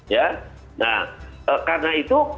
ya nah karena itu